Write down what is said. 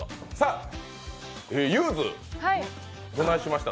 ゆーず、どないしました？